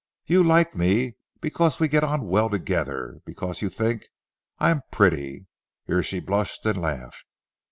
You like me because we get on well together; because you think I am pretty." Here she blushed and laughed.